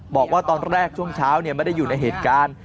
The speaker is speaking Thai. บอกว่าตอนแรกช่วงเช้าไม่ได้อยู่ในเหตุการณ์